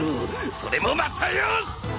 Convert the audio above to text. それもまたよし！